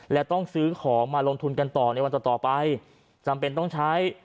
และต้องซื้อของมาลงทุนกันต่อในวันต่อต่อไปจำเป็นต้องใช้